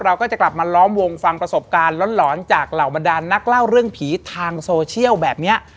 เราก็จะกลับมาล้อมวงฟังประสบการณ์หลอนจากเหล่าบรรดานนักเล่าเรื่องผีทางโซเชียลแบบนี้